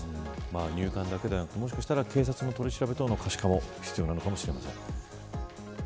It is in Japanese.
入管だけではなくてもしかしたら警察の取り調べ等の可視化も必要なのかもしれません。